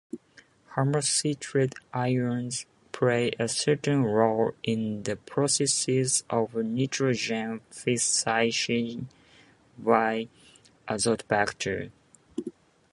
Homocitrate ions play a certain role in the processes of nitrogen fixation by "Azotobacter".